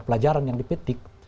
pelajaran yang dipetik